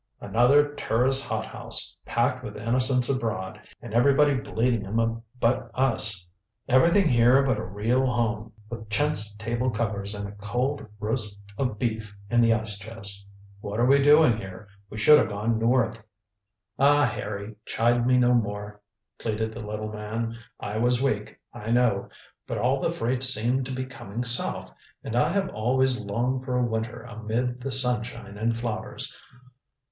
"Another tourist hothouse! Packed with innocents abroad, and everybody bleeding 'em but us. Everything here but a real home, with chintz table covers and a cold roast of beef in the ice chest. What are we doing here? We should have gone north." "Ah, Harry, chide me no more," pleaded the little man. "I was weak, I know, but all the freights seemed to be coming south, and I have always longed for a winter amid the sunshine and flowers.